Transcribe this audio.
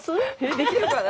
できるかな？